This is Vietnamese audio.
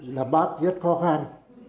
là bác rất khó khăn